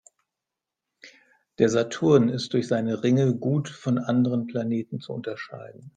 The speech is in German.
Der Saturn ist durch seine Ringe gut von den anderen Planeten zu unterscheiden.